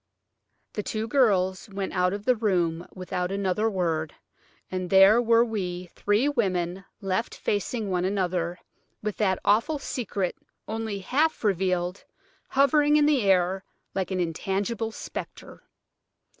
The two girls went out of the room without another word, and there were we three women left facing one another, with that awful secret, only half revealed, hovering in the air like an intangible spectre.